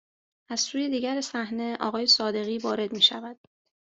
از سوی دیگر صحنه آقای صادقی وارد میشود